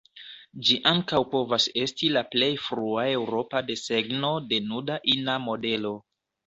Ĝi ankaŭ povas esti la plej frua eŭropa desegno de nuda ina modelo.